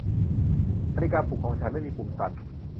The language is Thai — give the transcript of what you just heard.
นาฬิกาปลุกของฉันไม่มีปุ่มสั่น